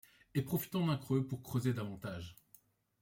Et profitant d’un creux pour creuser davantage